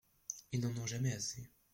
Ils n’en ont jamais assez.